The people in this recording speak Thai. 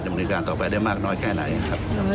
ดำเนินการต่อไปได้มากน้อยแค่ไหนครับ